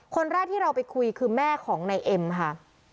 คนแรกที่เราไปคุยคือแม่ของนายเอ็มค่ะ